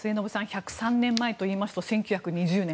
１０３年前と言いますと１９２０年。